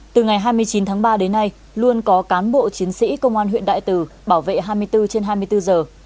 từ ngày hai mươi chín tháng ba đến nay luôn có cán bộ chiến sĩ công an huyện đại từ bảo vệ hai mươi bốn trên hai mươi bốn giờ